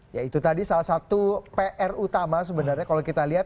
ya itu tadi salah satu pr utama sebenarnya kalau kita lihat